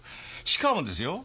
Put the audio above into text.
しかもですよ